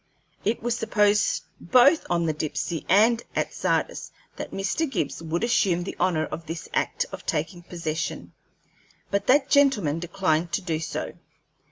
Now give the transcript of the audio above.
It was supposed both on the Dipsey and at Sardis that Mr. Gibbs would assume the honor of this act of taking possession, but that gentleman declined to do so.